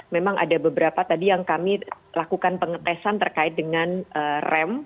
memang ada beberapa tadi yang kami lakukan pengetesan terkait dengan rem